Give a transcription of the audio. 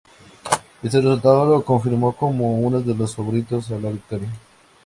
Este resultado lo confirmó como uno de los favoritos a la victoria.